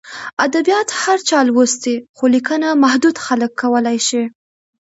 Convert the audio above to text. ادبیات هر چا لوستي، خو لیکنه محدود خلک کولای شي.